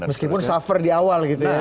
meskipun suffer di awal